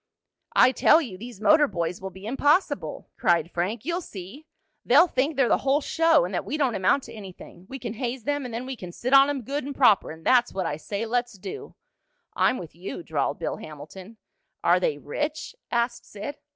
"I tell you these motor boys will be impossible!" cried Frank. "You'll see! They'll think they're the whole show, and that we don't amount to anything. We can haze them and then we can sit on 'em good and proper, and that's what I say let's do!" "I'm with you," drawled Bill Hamilton. "Are they rich?" asked Sid.